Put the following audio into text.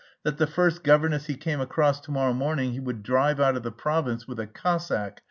that the first governess he came across to morrow morning he would drive out of the province "with a Cossack!